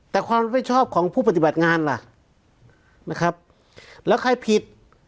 แต่ความรับผิดชอบของผู้ปฏิบัติงานล่ะนะครับแล้วใครผิด